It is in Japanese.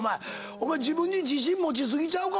お前自分に自信持ち過ぎちゃうか？